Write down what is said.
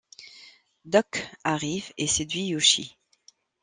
Doc, arrive et séduit Yoshi.